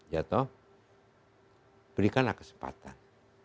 jodoh berikanlah kesempatan